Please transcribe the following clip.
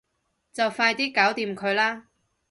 就快啲搞掂佢啦